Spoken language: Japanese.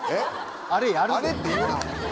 あれって言うな。